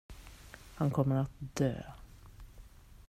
Han kommer att dö.